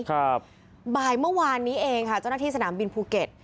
ครับบ่ายเมื่อวานนี้เองค่ะเจ้าหน้าที่สนามบินภูเก็ต